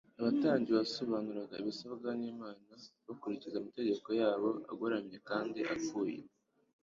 Abatambyi basobanuraga ibisabwa n'Imana bakurikiza amategeko yabo agoramye kandi apfuye.